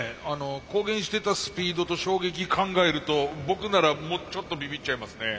公言してたスピードと衝撃考えると僕ならちょっとびびっちゃいますね。